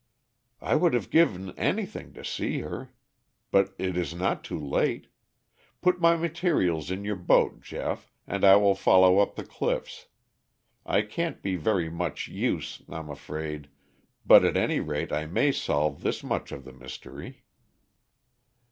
"I would have given anything to see her. But it is not too late. Put my materials in your boat, Geoff, and I will follow up the cliffs. I can't be very much use I'm afraid but at any rate I may solve this much of the mystery."